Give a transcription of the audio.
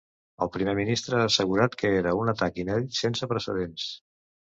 El primer ministre ha assegurat que era un atac inèdit, ‘sense precedents’.